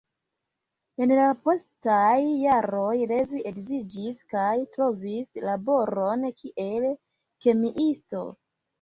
En la postaj jaroj, Levi edziĝis kaj trovis laboron kiel kemiisto.